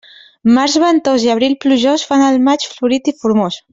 Març ventós i abril plujós fan el maig florit i formós.